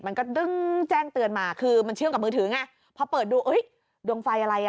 มันก็ดึงแจ้งเตือนมาคือมันเชื่อมกับมือถือไงพอเปิดดูเอ้ยดวงไฟอะไรอ่ะ